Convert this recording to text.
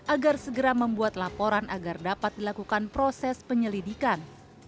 agar segera membuat laporan agar dapat dilakukan proses penyelidikan